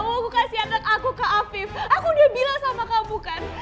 mau kasih anak aku ke afif aku udah bilang sama kamu kan